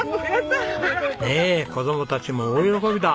ねえ子供たちも大喜びだ。